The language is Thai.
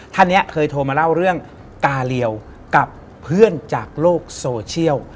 ท่านนี้เคยโทรมาเล่าเรื่องกาเลียวกับเพื่อนจากโลกโซเชียล